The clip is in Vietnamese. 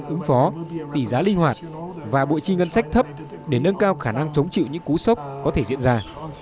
ứng phó tỷ giá linh hoạt và bộ chi ngân sách thấp để nâng cao khả năng chống chịu những cú sốc có thể diễn ra